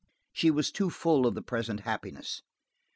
She was too full of the present happiness.